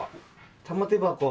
玉手箱。